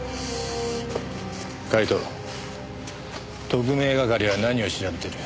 特命係は何を調べてる？